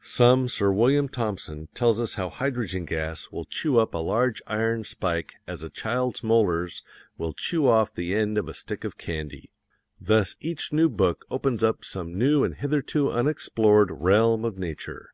Some Sir William Thomson tells us how hydrogen gas will chew up a large iron spike as a child's molars will chew off the end of a stick of candy. Thus each new book opens up some new and hitherto unexplored realm of nature.